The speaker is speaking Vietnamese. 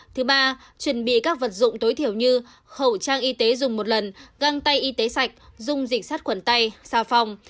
thứ ba chuẩn bị các vật dụng tối thiểu như khẩu trang y tế dùng một lần găng tay y tế sạch dung dịch sát khuẩn tay xà phòng